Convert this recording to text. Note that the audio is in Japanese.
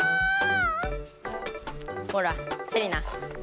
ほらセリナ。